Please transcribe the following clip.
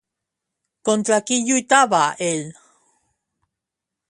Contra qui lluitava ell?